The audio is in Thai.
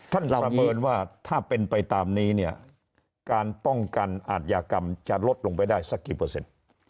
ประเมินว่าถ้าเป็นไปตามนี้เนี่ยการป้องกันอาทยากรรมจะลดลงไปได้สักกี่เปอร์เซ็นต์